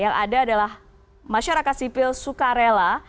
yang ada adalah masyarakat sipil suka rela